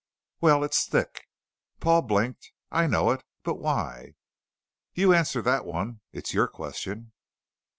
"Well, it's thick." Paul blinked. "I know it. But why?" "You answer that one, it's your question."